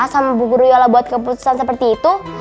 sama bu guryola buat keputusan seperti itu